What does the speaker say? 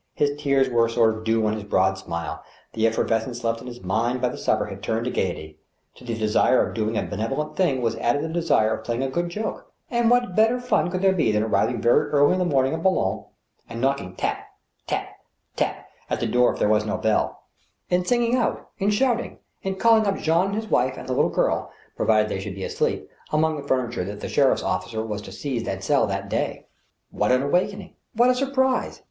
His tears were a sort of dew on his broad smile. The effervescence left in his mind by the supper had turned to gayety. To the desire of doing a benevolent thing was added the desire of playing a good joke, and what better fun could there be than arriving very early in the morning at Boulogne, and knocking tap, tap, tap, at the door if there were no bell ; in singing 36 THE STEEL HAMMER, out, in shouting, in calling up Jean and his wife and the little girl* provided they should be asleep, among the furniture that the sheriff's officer was to seize and sell that day ! What an awakening ! what a surprise